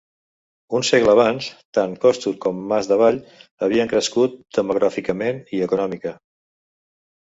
Un segle abans, tant Costur com el Mas d'Avall havien crescut demogràficament i econòmica.